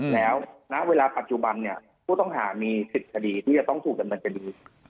แล้วนะครับเวลาปัจจุบันเนี้ยผู้ต้องหามีสิทธิ์คดีที่จะต้องถูกกันในคดี